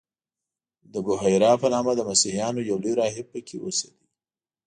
د بحیرا په نامه د مسیحیانو یو لوی راهب په کې اوسېده.